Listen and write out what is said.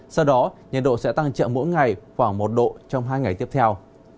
sau đó nhiệt độ sẽ tăng chậm mỗi ngày khoảng một độ trong hai ngày tiếp theo